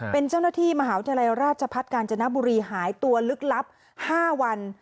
เป็นเจ้าหน้าที่มหาวิทยาลัยราชพัฒน์กาญจนบุรีหายตัวลึกลับ๕วัน